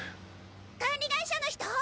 管理会社の人？